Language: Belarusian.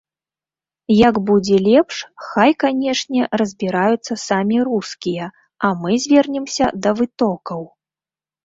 Як будзе лепш, хай, канешне, разбіраюцца самі рускія, а мы звернемся да вытокаў.